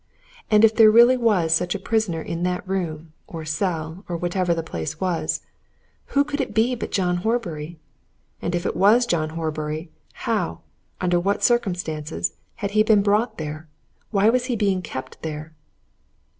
And if there really was such a prisoner in that room, or cell, or whatever the place was, who could it be but John Horbury? And if it was John Horbury, how, under what circumstances, had he been brought there, why was he being kept there?